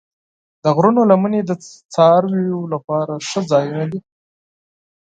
د غرونو لمنې د څارویو لپاره ښه ځایونه دي.